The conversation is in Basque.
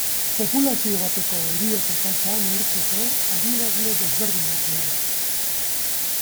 Populazio bateko heriotza-tasa neurtzeko adierazle desberdinak daude.